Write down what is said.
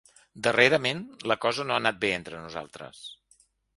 Darrerament la cosa no ha anat bé entre nosaltres.